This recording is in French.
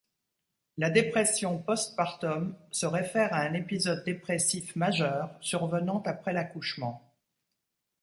La dépression post-partum se réfère à un épisode dépressif majeur survenant après l'accouchement.